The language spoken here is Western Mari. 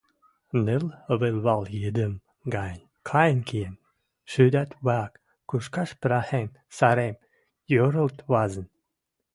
ныр вӹлвӓл йӹдӹм гань кайын киэн, шудат вӓк кушкаш пырахен, сарем, йӧрӹлт вазын.